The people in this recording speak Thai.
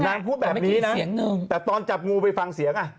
นางพูดแบบนี้นะแต่ตอนจับงูไปฟังเสียงอ่ะ